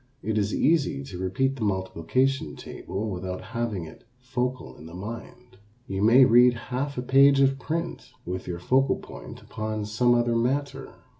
It is easy to repeat the multiplication table without having it focal in the mind. You may read half a page of print with your focal point upon some other matter.